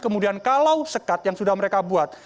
kemudian kalau sekat yang sudah mereka buat